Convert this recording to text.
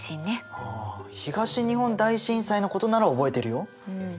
あ東日本大震災のことなら覚えてるよ。